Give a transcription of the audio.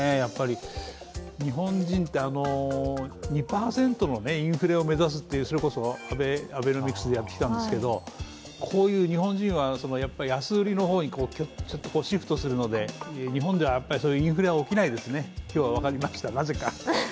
日本人って、２％のインフレを目指すというアベノミクスでやってきたんですけど日本人は安売りの方にシフトするので日本ではインフレは起きないですね、今日分かりました、なぜか。